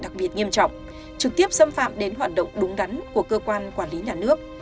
đặc biệt nghiêm trọng trực tiếp xâm phạm đến hoạt động đúng đắn của cơ quan quản lý nhà nước